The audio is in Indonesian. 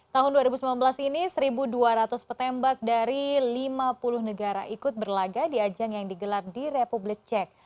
tahun dua ribu sembilan belas ini satu dua ratus petembak dari lima puluh negara ikut berlaga di ajang yang digelar di republik cek